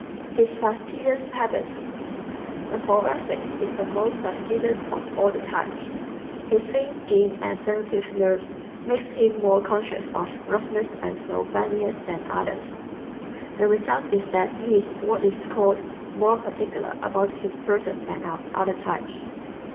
His Fastidious Habits ¶ The Thoracic is the most fastidious of all the types. His thin skin and sensitive nerves make him more conscious of roughness and slovenliness than others. The result is that he is what is called "more particular" about his person than are other types.